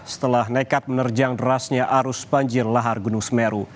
setelah nekat menerjang derasnya arus banjir lahar gunung semeru